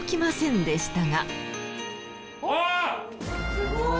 すごい！